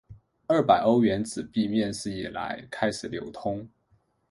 二百欧元纸币面世以来开始流通。